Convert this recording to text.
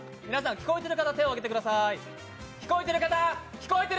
聞こえている方手を挙げてください！